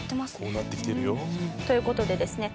「こうなってきてるよ」という事でですね